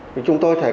thì chúng tôi sẽ